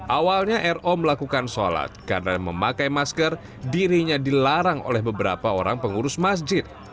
awalnya ro melakukan sholat karena memakai masker dirinya dilarang oleh beberapa orang pengurus masjid